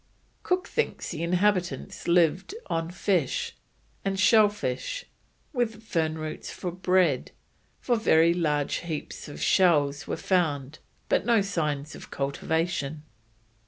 Cook thinks the inhabitants lived on fish, and shell fish, with fern roots for bread, for very large heaps of shells were found, but no signs of cultivation.